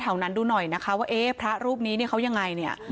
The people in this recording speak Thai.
ชาวบ้านแถวนั้นดูหน่อยนะคะว่าเอ๊ยพระรูปนี้เขายังไงเนี่ย